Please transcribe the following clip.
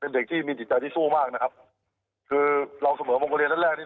เป็นเด็กที่มีจิตใจที่สู้มากนะครับคือเราเสมอมงคลเรียนท่านแรกนี่